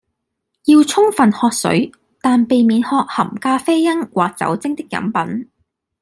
要充分喝水，但避免喝含咖啡因或酒精的飲品